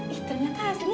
ih ternyata aslinya